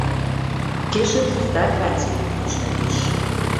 Később hívták Ráczmilitics-nek is.